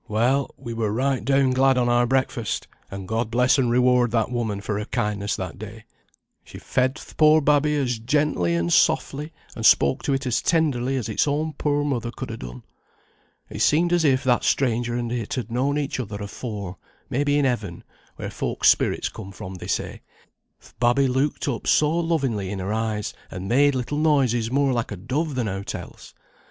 Well! we were right down glad on our breakfast, and God bless and reward that woman for her kindness that day; she fed th' poor babby as gently and softly, and spoke to it as tenderly as its own poor mother could ha' done. It seemed as if that stranger and it had known each other afore, maybe in Heaven, where folk's spirits come from they say; th' babby looked up so lovingly in her eyes, and made little noises more like a dove than aught else.